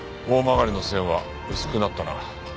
大曲の線は薄くなったな。